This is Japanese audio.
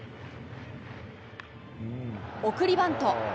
送りバント。